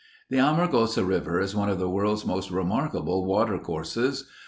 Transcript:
The Amargosa River is one of the world's most remarkable water courses.